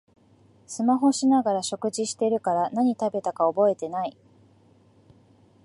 スマホしながら食事してるから何食べたか覚えてない